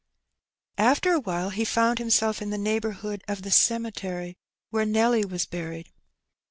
After a while he found himself in the neighbourhood of the cemetery where Nelly was buried.